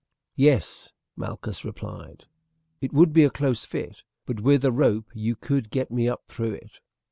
"Yes," Malchus replied; "it would be a close fit, but with a rope you could get me up through it."